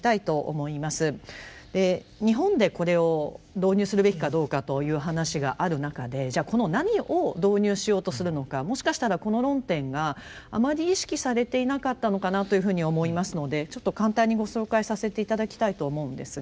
日本でこれを導入するべきかどうかという話がある中でじゃこの何を導入しようとするのかもしかしたらこの論点があまり意識されていなかったのかなというふうに思いますのでちょっと簡単にご紹介させて頂きたいと思うんですが。